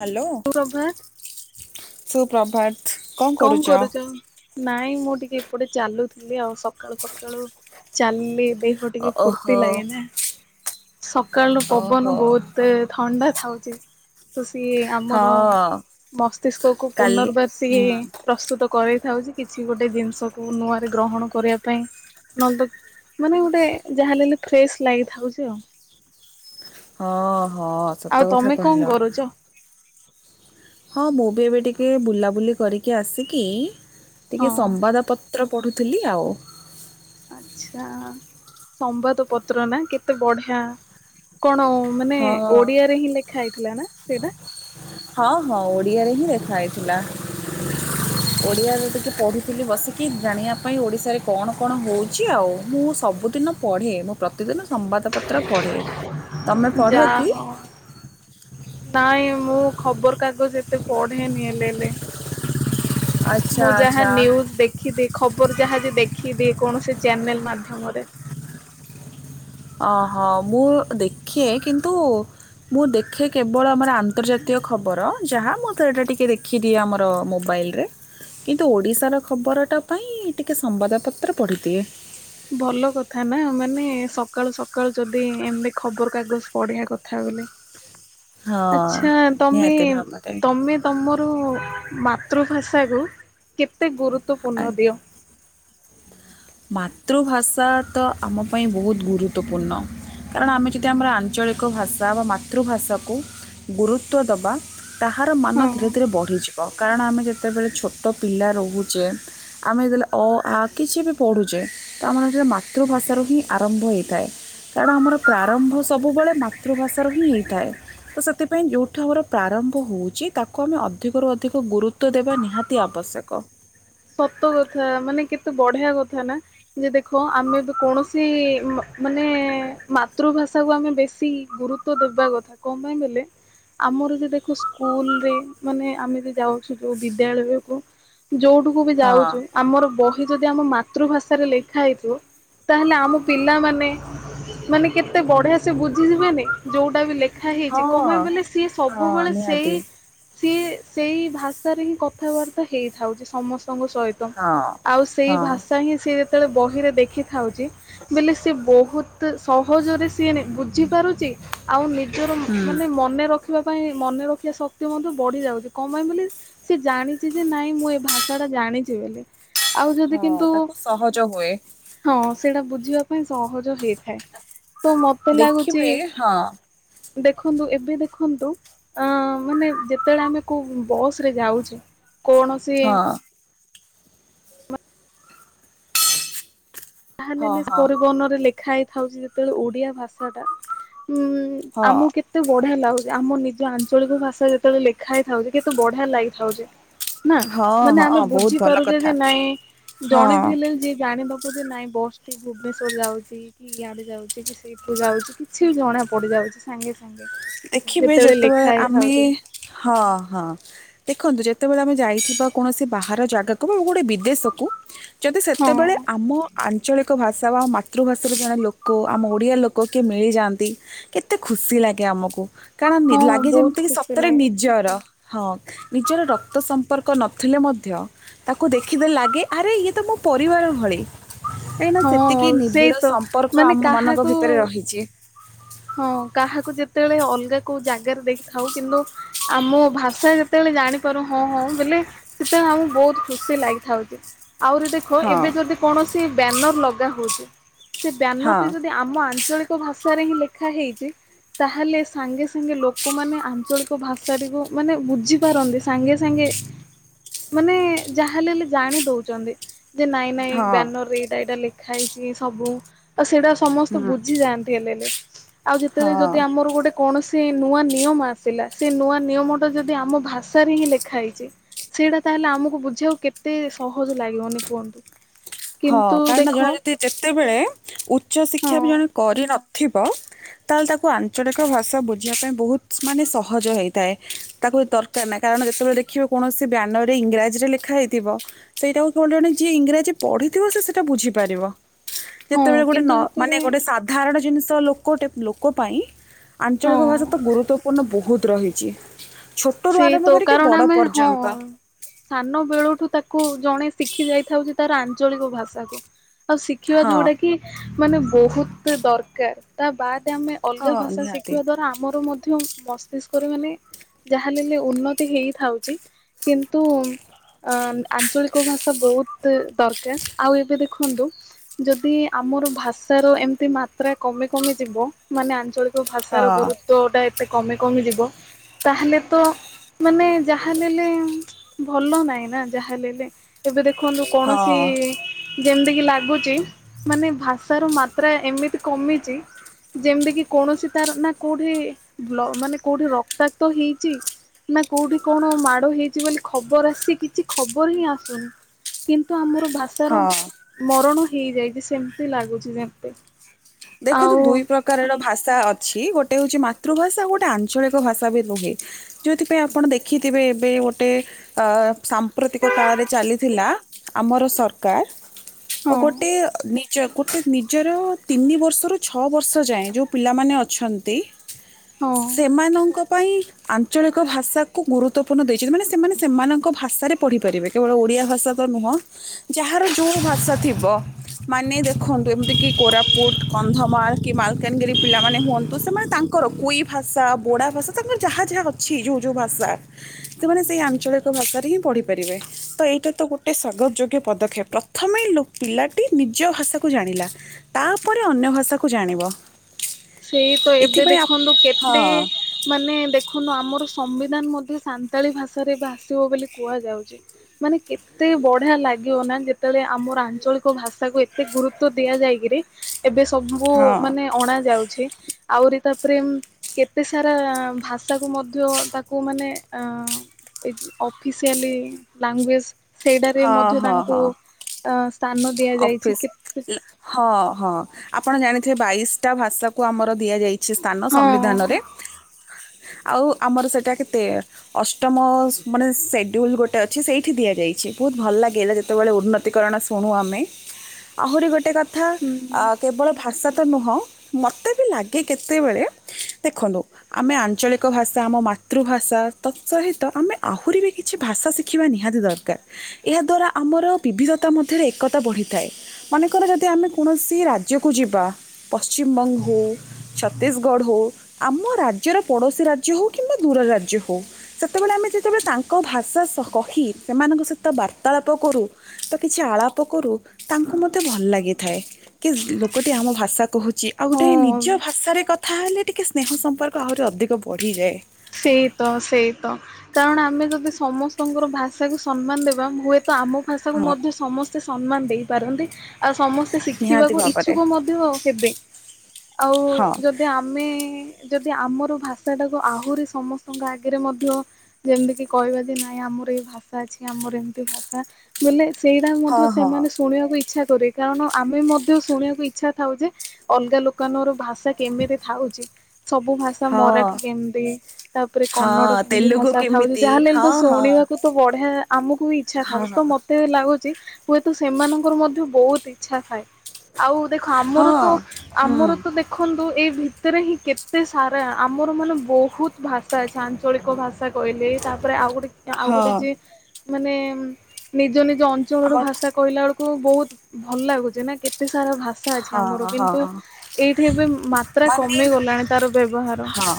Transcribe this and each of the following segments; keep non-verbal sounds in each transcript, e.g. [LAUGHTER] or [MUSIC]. Hello, ସୁପ୍ରଭାତ ସୁପ୍ରଭାତ। କଣ କରୁଛ? ନାଇଁ ମୁଁ ଟିକେ ଏପଟେ ଚାଲୁଥିଲି ଆଉ ସକାଳୁ ସକାଳୁ ଚାଲିଲେ ଦେହ ଟିକେ ଓହୋ ଫୁର୍ତ୍ତି ଲାଗେ ନା। ସକାଳର ପବନ ଓହୋ ବହୁତ ଥଣ୍ଡା ଥାଉଛି ତ ସିଏ ହଁ ଆମର ମସ୍ତିଷ୍କକୁ କାଲି ପୁନର୍ବାର ସିଏ ପ୍ରସ୍ତୁତ କରାଇଥାଉଛି କିଛି ଗୋଟେ ଜିନିଷକୁ ନୂଆରେ ଗ୍ରହଣ କରିବା ପାଇଁ ନହେଲେ ତା ମାନେ ଗୋଟେ ଯାହାହେଲେ ହେଲେ ଫ୍ରେଶ ଲାଗିଥାଉଛି ଆଉ। ହଁ ହଁ ଆଉ ସତ ତମେ କଥା କଣ କହିଲ। କରୁଛ? ହଁ ମୁଁ ବି ଏବେ ଟିକେ ବୁଲାବୁଲି କରିକି ଆସିକି ହଁ ଟିକେ ସମ୍ବାଦପତ୍ର ପତ୍ର ପଢ଼ୁଥିଲି ଆଉ। ଆଛା ସମ୍ବାଦ ପତ୍ର ନା କେତେ ବଢିଆ। କଣ ମାନେ ହଁ ଓଡିଆରେ ହିଁ ଲେଖା ହେଇଥିଲା ନା ସେଇଟା। ହଁ ହଁ ଓଡିଆରେ ହିଁ ଲେଖା ହେଇଥିଲା, ଓଡିଆରେ ଆଚ୍ଛା ଟିକେ ପଢି ପଢ଼ୁଥିଲି ବସିକି ଜାଣିବା ପାଇଁ, ଓଡ଼ିଶାରେ କଣ କାଣ ହେଉଛି ଆଉ ମୁଁ ସବୁଦିନ ପଢ଼େ ମୁଁ। ପ୍ରତିଦିନ ସମ୍ବାଦ ପତ୍ର ପଢେ, ତମେ ପଢ କି? ଯାହା ହଉ। ନାଇଁ ମୁଁ ଖବର କାଗଜ ଏତେ ପଢେନିହେଲେ ହେଲେ। ଆଚ୍ଛା ମୁଁ ଯାହା ଆଚ୍ଛା ନ୍ୟୂଜ୍ଜ୍ ଦେଖିଦିଏ ଖବର ଯାହା ଅଛି ଯେ ଦେଖିଦିଏ କୌଣସି ଚ୍ୟାନେଲ ମାଧ୍ୟମରେ। ଅହଁ ମୁଁ ଦେଖିେ କିନ୍ତୁ ମୁଁ ଦେଖେ କେବଳ ଆମର ଆନ୍ତର୍ଜାତୀୟ ଖବର ଯାହା ମୁଁ ସେ ଏଟା ଟିକିଏ ଦେଖେ କି ଦିଏ ଆମର ମୋବାଇଲରେ। କିନ୍ତୁ ଓଡ଼ିଶାର ଖବରଟା ପାଇଁ ଟିକେ ସମ୍ବାଦପତ୍ର ପଢ଼ିଦିଏ। ଭଲ କଥା ନା ମାନେ ସକାଳୁ ସକାଳୁ ଯଦି ଏମିତି ଖବର କାଗଜ ପଢଆ କଥା ବୋଲେ। [INAUDIBLE] ହଁ ଆଛା ତମେ ନିହାତି ଭାବରେ ତମେ ତମର ମାତୃ ଭାଷାକୁ କେତେ ଗୁରୁତ୍ୱପୂର୍ଣ୍ଣ ଦିଅ? ମାତୃଭାଷା ତ ଆମ ପାଇଁ ବହୁତ ଗୁରୁତ୍ୱପୂର୍ଣ୍ଣ। କାରଣ ଆମେ ଯଦି ଆମର ଆଞ୍ଚଳିକ ଭାଷା ବା ମାତୃଭାଷାକୁ ଗୁରୁତ୍ୱ ଦେବା ତାହାର ମାନ ଧୀରେ ହଁ। ଧୀରେ ବଢ଼ିଯିବ କାରଣ ଆମେ ଯେତେବେଳେ ଛୋଟ ପିଲା ରହୁ ଛେ ଆମେ ଯେତେବେଳ ଅ ଆ କିଛି ବି ପଢ଼ୁଛେ ତ ଆମର ଏଠାରେ ମାତୃଭାଷାରୁ ହିଁ ଆରମ୍ଭ ହୋଇଥାଏ। କାରଣ ଆମର ପ୍ରାରମ୍ଭ ସବୁବେଳେ ମାତୃଭାଷାର ହିଁ ହେଇଥାଏ। ତ ସେଥିପାଇଁ ଯେଉଁଠୁ ଆମର ପ୍ରାରମ୍ଭ ହେଉଛି ତାକୁ ଆମେ ଅଧିକରୁ ଅଧିକ ଗୁରୁ ତ୍ୱ ଦେବା ନିହାତି ଆବଶ୍ୟକ। ସତ କଥା ମାନେ କେତେ ବଢିଆ କଥା ନା ଯେ ଦେଖ ଆମେ ବି କୌଣସି ମା ମାନେ ମାତୃଭାଷା କୁ ଆମେ ବେଶୀ ଗୁରୁ ତ୍ବ ଦେବା କଥା କଣ ପାଇଁ ଗଲେ ଆମର ଯେ ଦେଖ ସ୍କୁଲ ରେ ମାନେ ଆମେ ଯ ଯାଉଛୁ ଯୋଉ ବିଦ୍ୟାଳୟକୁ ଯୋଉଠିକୁ ବି ହଁ ଯାଉଛୁ ଆମର ବହି ଯଦି ଆମ ମାତୃଭାଷାରେ ଲେଖା ହେଇଥିବ। ତାହେଲେ ଆମ ପିଲାମାନେ ମାନେ କେତେ ବଢିଆ ସେ ବୁଝିଯିବେନି ଯୋଉଟା ବି ଲଖ ଖା ହେଇଛି କଣ ହଁ, ପାଇଁ ବୋଲେ ସିଏ ହଁ ସବୁବେଳେ ସେଇ ନିହାତି ସିଏ ସେଇ ଭାଷାରେରେ ହିଁ କଥାବାର୍ତ୍ତା ହେଇଥାଉଛି ସମସ୍ତଙ୍କ ସହିତ ହଁ, ଆଉ ସେଇ ହଁ, ଭାଷା ହିଁ ସେ ଯେତେବେଳେ ବହିରେ ଦେଖି ଖାଉଛି ବଲେ ସିଏ ବହୁତ ସହଜରେ ସିଏ ନେ ବୁଝି ପାରୁଛି ଆଉନି ଜର ହୁଁ। ମାନେ ମନେ ରଖିବା ପାଇଁ ମନେ ରଖିବା ଶକ୍ତି ମଧ୍ୟ ବଢି ଯାଉଛି କଣ ପାଇଁ ବୋଲି ସେ ଜାଣିଛି ଯେ ନାଇଁ ମୁଁ ଏ ଭାଷା ଟା ଜାଣିଛି ବୋଲି ଆଉ ଯଦି ହଁ କିନ୍ତୁ ତାକୁ ସହଜ ହୁଏ ହଁ ସେଇଟା ବୁଝିବା ପାଇଁ ସହଜ ହେଇ ଥାଏ ତ ମତେ ଲାଗୁଛି ଦେଖିବେ ହଁ, ଦେଖନ୍ତୁ ଏବେ ଦେଖନ୍ତୁ ଅ ମାନେ ଯେତେବେଳେ ଆମେ କଉ ବସ ରେ ଯାଉଛେ କୌଣସି ହଁ, ହଁ, ତାହାମିଷ ହଁ। ପରିବହନରେ ଲେଖା ହେଇଥାଉଛି ଯେତେବେଳେ ଓଡିଆ ଭାଷା ଟା ଉଁ ହଁ, ଆମକୁ କେତେ କେତେ ବଢିଆ ଲାଗୁଛି ଆମ ନିଜ ଆଞ୍ଚଳିକ ଭାଷା ଯେତେବେଳେ ଲେଖା ହେଇଥାଉଛି କେତେ ବଢିଆ ଲାଗିଥାଉଛି। ନା ହଁ, ମାନେ ହଁ ଆମେ ବହୁତ ଭଲ ବୁଝିପାରୁଛେ କଥା ଯେ ନାଇଁ ଜଣେ ହଁ। ଭି ହେଲେ ଯିଏ ଜାଣିଦବ ଯେ ନାଇଁ ବସ୍ ଟି ଭୁବନେଶ୍ଵର ଯାଉଛି କି ଇଆଡେ ଯାଉଛି କି ସି ସେଇଠୁ ଯାଉଛି କିଛି ବି ଜଣା ପଡି ଯାଉଛି ସାଙ୍ଗେ ସାଙ୍ଗେ। ଦେଖିବେ ଲେଖା ଯେତେବେଳେ ଆମେ ହେଇଥାଉଛି ହଁ ହଁ ଦେଖନ୍ତୁ ଯେତେବେଳେ ଆମେ ଯାଇଥିବା କୌଣସି ବାହାର ଜାଗାକୁ ବା ଗୋଟଏ ବିଦେଶକୁ ଯଦି ହଁ ସେତେବେଳେ ଆମ ଆଞ୍ଚଳିକ ଭାଷା ବା ଆ ମାତୃଭାଷାରୁ ଜଣେ ଲୋକ ଆମ ଓଡ଼ିଆ ଲୋକ କିଏ ମିଳିଯାଆନ୍ତି କେତେ ଖୁସି ଲାଗେ ଆମକୁ କାରଣ ନି ହଁ ଲାଗେ ଯେମତି ବହୁତ କି ଖୁସି ସତରେ ଲାଗେ ନିଜର ହଁ ନିଜର ରକ୍ତ ସମ୍ପର୍କ ନଥିଲେ ମଧ୍ୟ ତାକୁ ଦେଖିଦେ ଲାଗେ ଆରେ ଇଏ ତ ମୋ ପରିବାର ଭଳି କାଇଁ ନା ହଁ ସେତିକି ସେଇ ନିବିଡ ତ ସମ୍ପର୍କ ମାନେ ଆମ ମାନଙ୍କ କାହାକୁ ଭିତରେ ରହିଛି। ହଁ କାହାକୁ ଯେତେବେଳେ ଅଲଗା କୋଉ ଜାଗାରେ ଦେଇଖିଥାଉ କିନ୍ତୁ ଆମ ଭାଷା ଯେତେବେଳେ ଜାଣିପାରୁ ହଁ ହଁ ବୋଇଲେ ସେତେବେଳେ ଆମକୁ ବହୁତ ଖୁସି ଲାଗିଥାଉଛି। ଆହୁରି ଦେଖ ହଁ ଏବେ ଯଦି କୌଣସି ବ୍ୟାନର ଲଗା ହଉଛି ସେ ବ୍ୟାନର ହଁ ଟି ଯଦି ଆମ ଆଞ୍ଚଳିକ ଭାଷାରେ ହିଁ ଲେଖା ହେଇଛି ତାହେଲେ ସାଙ୍ଗେ ସାଙ୍ଗେ ଲୋକମାନେ ଆଞ୍ଚଳିକ ଭାଷାଟିକୁ ମାନେ ବୁଝିପାରନ୍ତି। ସାଙ୍ଗେ ସାଙ୍ଗେ ମାନେ ଯାହାଲେଲେ ଜାଣି ଦଉଛନ୍ତି। ଯେ ନାଇଁ ନାଇଁ ହଁ ବ୍ୟାନର ରେ ଏଇଟା ଏଇଟା ଲେଖା ହେଇଛି ସବୁ ଆ ସେଇଟା ସମସ୍ତେ ହୁଁ ବୁଝି ଯାଆନ୍ତି ହେଲେ ହେଲେ ଆଉ ଯେତେବେଳେ ହଁ ଯଦି ଆମ ମୋର ଗୋଟେ କୌଣସି ନୂଆ ନିୟମ ଆସିଲା ସେ ନୂଆ ନିୟମ ଟା ଯଦି ଆମ ଭାଷାରେ ହିଁ ଲେଖା ହେଇଛି ସେଇଟା ତାହେଲେ ଆମକୁ ବୁଝେଇକୁ କେତେ ସହଜ ଲାଗିବନେ କୁହନ୍ତୁ। ହଁ କିନ୍ତୁ କାରଣ ଦେଖ ଜଣେ ଯଦି ଯେତେବେଳେ ଉଚ୍ଚ ହଁ ଶିକ୍ଷା ବି ଜଣେ କରିନଥିବ ତାହେଲେ ତାକୁ ଆଞ୍ଚଳିକ ଭାଷା ବୁଝିବା ପାଇଁ ବହୁତ ମାନେ ସହଜ ହେଇଥାଏ ତାକୁ ଦର କାର ନାଇ କାରଣ ଯେତେବେଳେ ଦେଖିବେ କୌଣସି ବ୍ୟାନର ରେ ଇଂରାଜୀରେ ଲେଖା ହେଇଥିବ ସେଇଟାକୁ [UNINTELLIGIBLE] ଯିଏ ଇଂରାଜୀ ପଢିଥିବ ସିଏ ସେଇଟା ବୁଝିପାରିବ। ହଁ ଯେତେବେଳେ ଗୋଟେ କିନ୍ତୁ ନ ମାନେ ଯେତେବେଳେ ଗୋଟେ ସା ଧାରଣ ଜିନିଷ ଲୋକୋଟେ ଲୋକୋ ପାଇଁ ଆଞ୍ଚଳିକ ହଁ ଭାଷାତ ଗୁରୁତ୍ୱ ପୁନଃ ବହୁତ୍ ରହିଚି। ସେଇତ କାରଣ ଆମେ ହଁ। ସାନ ବେଳୁଠୁ ତାକୁ ଜଣେ ଶିଖି ଯାଇଥାଉଚି ତାର ଆଞ୍ଚଳିକ ଭାଷାକୁ। ଆଉ ଶିଖିବା ହଁ ଯୋଉଟାକି ମାନେ ବହୁତୁ ଦରକାର୍ ତା ବାଦ ଆମେ ହଁ ଅଲଗା ଭାଷା ନିହାତି। ଶିଖିବା ଦ୍ଵାରା ଆମର ମଧ୍ୟ ମସ୍ତିଷ୍କରେ ମାନେ ଯାହାଲେଲେ ଉନ୍ନତି ହେଇଥାଉଚି କିନ୍ତୁ ଅ ଆଞ୍ଚଳିକ ଭାଷା ବହୁତୁ ଦରକାର, ଆଉ ଏବେ ଦେଖନ୍ତୁ ଯଦି ଆମର ଭାଷାର ଏମିତି ମାତ୍ରା କମି କମି ଯିବ ମାନେ ଆଞ୍ଚଳିକ ତ ଭାଷାର ହଁ ଗୁରୁତ୍ୱଟା ଏତେ କମି କମି ଯିବ। ତାହେଲେତ ମାନେ ଯାହାଲେଲେ ଭଲ ନାଇଁ ନା ଯାହାଲେଲେ ଏବେ ଦେଖନ୍ତୁ କୌଣସି ହଁ ଯେମିତିକିି ଲାଗୁଚି ମାନେ ଭାଷାର ମାତ୍ରା ଏମିତି କମିଚି ଯେମିତିକିି କୌଣସି ତାରନା କୋଉଠି ମାନେ କୋଉଠି ରକ୍ତାକ୍ତ ହେଇଚି ନା କୋଉଠି କଣ ମାଡ଼ ହେଇଚି ବୋଲି ଖବର ଆସିଚି କିଛି ଖବରହିଁ ଆସୁନି। କିନ୍ତୁ ଆମର ଭାଷାର ହଁ ମରଣ ହେଇଯାଇଚି ସେମିତି ଲାଗୁଚି ଯେମିତି ଦେଖନ୍ତୁ ଆଉ ଦୁଇ, ପ୍ରକ୍ ପ୍ରକାରର ଭାଷା ଅଛି ଗୋଟେ ହଉଚି ମାତୃଭାଷା ଆଉ ଗୋଟେ ଆଞ୍ଚଳିକ ଭାଷାବି ରୁହେ। ଯୋଉଥିପାଇଁ ଆପଣ ଦେଖିଥିବେ ଏବେ ଗୋଟେ ଆ ସାମ୍ପ୍ରତିକ କାଳରେ ଚାଲିଥିଲା ଆମର ସରକାର୍ ହଁ ଗୋଟେ ନିଜ ଗୋଟେ ନିଜର ତିନି ବର୍ଷରୁ ଛଅ ବର୍ଷ ଯାଏଁ ଯୋଉ ପିଲାମାନେ ଅଛନ୍ତି, ହଁ। ସେମାନଙ୍କ ପାଇଁ ଆଞ୍ଚଳିକ ଭାଷାକୁ ଗୁରୁତ୍ୱପୂର୍ଣ୍ଣ ଦେଇଚନ୍ତି, ମାନେ ସେମାନେ ସେମାନଙ୍କ ଭାଷାରେ ପଢିପାରିବେ କେବଳ ଓଡ଼ିଆ ଭାଷାତ ନୁହଁ ଯାହାର ଯୋଉ ଭାଷା ଥିବ ମାନେ ଦେଖନ୍ତୁ ଏମତି କି କୋରାପ୍ ପୁଟ୍ କନ୍ଧମାଳ କି ମାଲକାନଗିରି ପିଲାମାନେ ହୁଅନ୍ତୁ ସେମାନେ ତାଙ୍କର କୁଇ ଭାଷା ବୋଡ଼ା ଭାଷା ତାଙ୍କର ଯାହା ଯାହା ଅଛି ଯୋଉ ଯୋଉ ଭାଷା ସେମାନେ ସେଇ ଆଞ୍ଚଳିକ ଭାଷାରେ ହିଁ ପଢିପାରିବେ ତ ଏଇଟାତ ଗୋଟେ ସ୍ଵାଗତ ଯୋଗ୍ୟ ପଦକ୍ଷେପ। ପ୍ରଥମେ ଲୋ ପିଲାଟି ନିଜ ଭାଷାକୁ ଜାଣିଲା, ତାପରେ ଅନ୍ୟ ଭାଷାକୁ ଜାଣିବ ସେଇତ ଏବେ ଏଥିପାଇଁ ଆପ- ଦେଖନ୍ତୁ କେତେ ହଁ ମାନେ ଦେଖନ୍ତୁ ଆମର ସମ୍ବିଧାନ ମଧ୍ୟ ସାନ୍ତାଳୀ ଭାଷାରେ ଏବେ ଆସିବ ବୋଲି କୁହାଯାଉଚି। ମାନେ କେତେ ବଢିଆ ଲାଗିବନା ଯେତେବେଳେ ଆମର ଆଞ୍ଚଳିକ ଭାଷ୍ ତାକୁ ଏତେ ଗୁରୁତ୍ୱ ଦିଆଯାଇକିରି ଏବେ ସବୁ ହଁ ମାନେ ଅଣା ଯାଉ ଛି ଆହୁରି ତାପରେ କେତେ ସାରା ଭାଷାକୁ ମଧ୍ୟ ତାକୁ ମାନେ ଅ ଏଇ ଅଫିସିଆଲି ଲାଙ୍ଗୁଏଜ୍ ସେଇଟାରେ ହଁ ମଧ୍ୟ ହଁ ତାଙ୍କୁ ହଁ ଅ ସ୍ଥାନ ଦିଆଯାଇଚି ଅଫିସ୍ କେ ହଁ ହଁ ଆପଣ ଜାଣିଥିବେ ବାଇଶିଟା ଭାଷାକୁ ଆମର ଦିଆଯାଇ ସେ ସ୍ଥାନ ହଁ ସମ୍ବିଧାନରେ ଆଉ ଆମର ସେଇଟା କେତେ ଅଷ୍ଟମ ମାନେ ସେଡ୍ୟୁଲ୍ ଗୋଟେ ଅଛି ସେଇଠି ଦିଆଯାଇଛି। ବହୁତ୍ ଭଲ ଲାଗେ ଯେତେବେଳେ ଉନ୍ନତିକରଣ ଶୁଣୁ ଆମେ ଆହୁରି ଗୋଟେ କଥ୍ ଥା କେବଳ ଭାଷାତ ନୁହଁ ମୋତେବି ଲାଗେ କେତେବେଳେ, ଦେଖନ୍ତୁ ଆମେ ଆଞ୍ଚଳିକ ଭାଷା ଆମ ମାତୃଭାଷା ତତ୍ ସହିତ ଆମେ ଆହୁରିବି କି କିଛି ଭାଷା ଶିଖିବା ନିହାତି ଦରକାର ଏହା ଦ୍ୱାରା ଆମର ବିବିଧତା ମଧ୍ୟରେ ଏକତା ବଢିଥାଏ। ମନେକର ଯଦି ଆମେ କୌଣସି ରାଜ୍ୟକୁ ଯିବା ପଶ୍ଚିମବଙ୍ଗ ହଉ ଛତିଶଗଡ ହଉ ଆମ ରାଜ୍ୟର ପଡୋଶୀ ରାଜ୍ୟ ହଉ କିମ୍ବା ଦୂର ରାଜ୍ୟ ହଉ। ସେତେବେଳେ ଆମେ ଯେତେବେଳେ ତାଙ୍କ ଭାଷା କହି ସେମାନଙ୍କ ସହିତ ତ ବାର୍ତ୍ତାଳାପ କରୁ ତ କିଛି ଆଳାପ କରୁ ତାଙ୍କୁ ମୋତେ ଭଲ ଲାଗିଥାଏ। କି ଲୋକଟି ଆମ ଭାଷା କହୁଛି। ଆଉ ଗୋଟେ ନିଜ ହଁ ଭାଷାରେ କଥା ହେଲେ ଟିକେ ସ୍ନେହ ସମ୍ପର୍କ ଆହୁରି ଅଧିକ ବଢ଼ିଯାଏ। ସେଇତ ସେଇତ କାରଣ ଆମେ ଯଦି ସମସ୍ତଙ୍କର ଭାଷାକୁ ସମ୍ମାନ ଦେବା ହୁଏତ। ତ ଆମ ଭାଷାକୁୁ ହଁ ମଧ୍ୟ ସମସ୍ତେ ସମ୍ମାନ ଦେଇପାରନ୍ତି। ଆଉ ସମସ୍ତେ ନିହାତି ଶିଖିବାକୁ ଭାବରେ ଇଚ୍ଛୁକ ମଧ୍ୟ ହେବେ ଆଉ ହଁ ଯଦି। ଆମେ ଯଦି ଆମର ଭାଷାଟାକୁ ଆହୁରି ସମସ୍ତଙ୍କ ଆଗରେ ମଧ୍ୟ ଯେମିତି କିି କହିବା ଯେ ନାଇଁ ଆମର ଏଇ ଭାଷା ଅଛି ଆମର ଏମିତି ଭାଷା। ବୋଲେ ସେଇଟା ହଁ ମଧ୍ୟ ହଁ ସେମାନେ ଶୁଣିବାକୁ ଇଚ୍ଛା କରେ କାରଣ ଆମେ ମଧ୍ୟ ଶୁଣିବାକୁ ଇଚ୍ଛା ଥାଉ ଯେ। ଅଲଗା ଲୋକାନର ଭାଷା କେମିତି ଥାଉଛି ସବୁ ଭାଷା ହଁ ମରାଠି କେମିତି। ତାପରେ କନ୍ନଡ଼ ହଁ କେମିତି ତେଲୁଗୁ ଭାଷା ଥାଉଛି କେମିତି ଯାହା ହେଲେଲେ ହଁ ତ ହଁ ଶୁଣିବାକୁ ତ ବଢିଆ ଆମକୁ ବି ଇଚ୍ଛା ହଁ ଥାଉ ହଁ ତ ମତେ ଏତେ ଲାଗୁଛି ହୁଏତ ସେମାନଙ୍କର ମଧ୍ୟ ବହୁତ ଇଚ୍ଛା ଥାଏ। ଆଉ ଦେଖ ଆମର ହଁ ତ ଆମର ହୁଁ ତ ଦେଖ ଦେଖନ୍ତୁ ଏଇ ଭିତରେ ହିଁ କେତେ ସାରା ଆମର ମାନେ ବହୁତ ଭାଷା ଅଛି ଆଞ୍ଚଳିକ ଭାଷା କହିଲେ ତାପରେ ଆଉ ଗୋଟେ ଆଉ ଗୋଟେ ହଁ। ଯେଏ। ମାନେ ନିଜ ନିଜ ଅଞ୍ଚଳ ର ଆମର ଭାଷା କହିଲା ବେଳକୁ ବହୁତ ଭଲ ଲାଗୁଛି ନା କେତେ ଏତେ ସାରା ଭାଷା ଅଛି ଆମର ହଁ ହଁ କିନ୍ତୁ ଏଇଠି ବି ମାତ୍ରା ମାନେ କମି ଗଲାଣି ତାର ବ୍ୟବହାର। ହଁ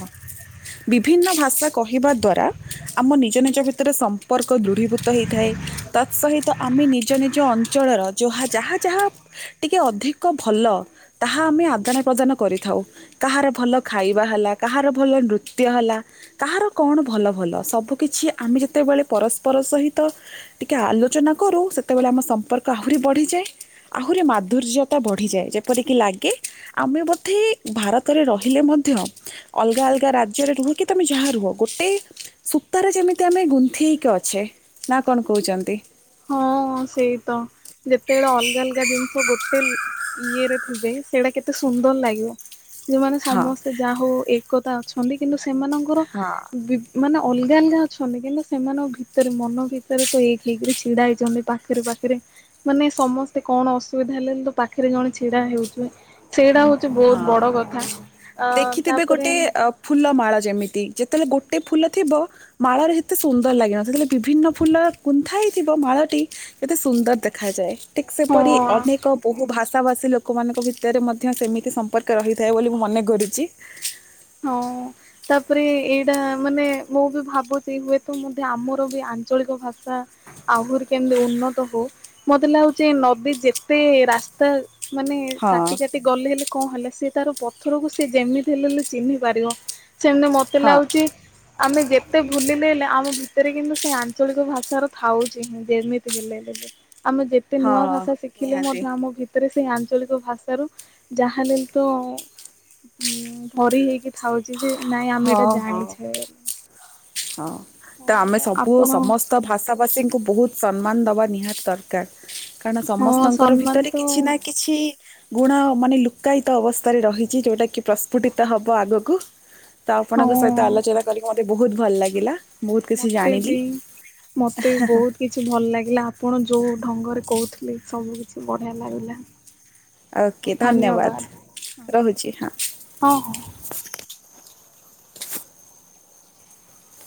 ବିଭିନ୍ନ ଭାଷା କହିବା ଦ୍ଵାରା ଆମ ନିଜ ନିଜ ଭିତରେ ସମ୍ପକ ସମ୍ପର୍କ ଦୃଢୀଭୂତ ହେଇଥାଏ ତା ସହିତ। ଆମେ ନିଜ ନିଜ ଅଞ୍ଚଳର ଯାହା ଯାହା ଯାହା ଟିକେ ଅଧିକ ଭଲ। ତାହା ଆମେ ଆଦାନ ପ୍ରଦାନ କରିଥାଉ। କାହାର ଭଲ ଖାଇବା ହେଲା କାହାର ଭଲ ନୃତ୍ୟ ହେଲା। କାହାର କଣ ଭଲ ଭଲ ସବୁ କିଛି ଆମେ ଯେତେବେଳେ ପରସ୍ପର ସହିତ ଟିକେ ଆଲୋଚନା କରୁ ସେତେବେଳେ ଆମ ସମ୍ପର୍କ ଆହୁରି ବଢିଯାଏ ଆହୁରି ମାଧୁର୍ଯ୍ୟ ବଢିଯାଏ ଯେପରିକି ଲାଗେ ଆମେ ବୋଧେ ଭାରତରେ ରହିଲେ ମଧ୍ୟ ଅଲଗା ଅଲଗା ରାଜ୍ୟରେ ରୁହ କି ତମେ ଯାହା ରୁହ ଗୋଟେ। ସୂତାରେ ଯେମିତି ଆମେ ଗୁନ୍ଥି ହେଇକି ଅଛେ ନା କଣ କହୁଛନ୍ତି। ହଁ ସେଇ ତ ଯେତେବେଳେ ଅଲଗା ଅଲଗା ଜିନିଷ ଗୋଟେ ବି ଇଏରେ ଥିବେ ସେଇଡା କେତେ ସୁନ୍ଦର ଲାଗେ। ଯେଉ ମାନେ ହଁ ସମସ୍ତେ ଯାହା ହଉ ଏକତା ଅଛନ୍ତି କିନ୍ତୁ ସେମାନଙ୍କର ହଁ ବି ମାନେ ଅଲଗା ଅଲଗା ଅଛନ୍ତି କିନ୍ତୁ ସେମାନଙ୍କ ଭିତରେ ମନ ଭିତରେ ତ ଏକ ହେଇକିରି। ଛିଡା ହେଇଛନ୍ତି ପାଖରେ ପାଖରେ। ମାନେ ସମସ୍ତେ କଣ ଅସୁବିଧା ହେଲେ ପାଖରେ ଜଣେ ଛିଡା ହେଉଛି। ସେଇଟା ହଉଛି ହଁ ବହୁତ ବଡ କଥା ଅ ତାପରେ। ଫୁଲ ମାଳ ଯେମିତି ଯେତେବେଳେ ଗୋଟେ ଫୁଲ ଥିବ ମାଳରେ ଏତେ ସୁନ୍ଦର ଲାଗେନା ସେଥିରେ ବିଭିନ୍ନ ଫୁଲ ଗୁନ୍ଥା ହେଇଥିବ ମାଳଟି କେତେ ସୁନ୍ଦର ଦେଖାଯାଏ। ଠିକ୍ ସେପରି ହଁ ଅନେକ ବହୁ ଭାଷା ଭାଷୀ ଲୋକମାନଙ୍କ ଭିତରେ ମଧ୍ୟ ସେମିତି ସମ୍ପର୍କ ରହିଥାଏ ବୋଲି ମୁଁ ମନେ କରୁଛି। ହଁ। ତାପରେ ଏଇଟା ମାନେ ମୁଁ ବି ଭାବୁଛି ହୁଏତ ମଧ୍ୟ ଆମର ବି ଆଞ୍ଚଳିକ ଭାଷା। ଆହୁରି କେମତି ଉନ୍ନତ ହୋଉ ମତେ ଲାଗୁଚି ନଦୀ ଯେତେ ରାସ୍ତା ମାନେ ହଁ କାଟି କାଟି ଗଲେ ହେଲେ କଣ ହେଲା ସେ ତାର ପଥରକୁ ସେ ଯେମିତି ହେଲେ ଲେ ଚିହ୍ନି ପାରିବ ସେମିତ ମତେ ହଁ ଲାଗୁଚି ଆମେ ଯେତେ ଭୁଲିଲେ ହେଲେ ଆମ ଭିତରେ କିନ୍ତୁ ସେ ଆଞ୍ଚଳିକ ଭାଷାର ଥାଉଚି ଯେମିତି ହେଲେ। ଆମେ ଯେତେ ନୂଆ ହଁ ଭାଷା ଶିଖିଲେ ନିହାତି ମଧ୍ୟ ଆମ ଭି ରେ ସେଇ ଆଞ୍ଚଳିକ ଭାଷାରୁ ଯାହା ହେଲେ ତ ଭରି ହେଇକି ଥାଉଚି ଯେ ନାଇଁ ଆମେ ହଁ ଏଇଟା ହଁ ଜାଣିଛେ। ହଁ ତ ଆମେ ହଉ ସବୁ ଆପଣ ସମସ୍ତ ଭାଷା ଭାଷୀଙ୍କୁ ବହୁତୁ ସମ୍ମାନ ଦବା ନିହାତି ଦର କାର କାରଣ ହଁ ସମସ୍ତଙ୍କର ସମ୍ମାନ ଭିତରେ ତ କିଛି ନା କିଛି ଗୁଣ ମାନେ ଲୁକାୟିତ ଅବସ୍ଥାରେ ରହିଚି ଯୋଉଟା କି ପ୍ରସ୍ଫୁଟିତ ହବ ଆଗକୁ। ତ ହଁ ଆପଣଙ୍କ ସହିତ ଆଲୋଚନା କରିକି ମତେ ବହୁତୁ ଭଲ ଲାଗିଲା। ବହୁତ କିଛି ମତେ ଜାଣିଲି। ବି ମତେ ବି ବହୁତୁ କିଛି ଭଲ ଲାଗିଲା ଆପଣ ଯୋଉ ଢଙ୍ଗରେ କହୁଥିଲେ ସବୁ କିଛି ବଢିଆ ଲାଗିଲା। ଓକେ ଧନ୍ୟବାଦ ରହୁଚ ହଁ। ହଁ।